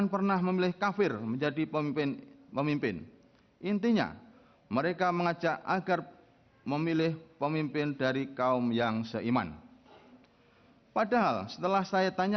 kecamatan pulau seribu selatan